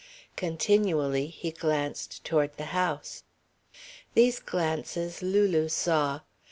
Continually he glanced toward the house. These glances Lulu saw.